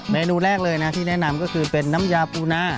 เมนูแรกเลยนะที่แนะนำก็คือเป็นน้ำยาปูนา